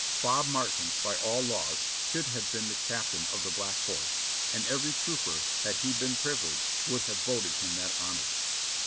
Bob Martin, by all laws, should have been the captain of the Black Horse, and every trooper, had he been privileged, would have voted him that honor.